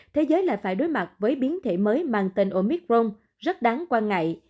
thế giới lại phải đối mặt với biến thể mới mang tên omicron rất đáng quan ngại